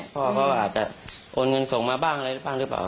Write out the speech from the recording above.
พ่อเขาอาจจะโอนเงินส่งมาบ้างอะไรบ้างหรือเปล่า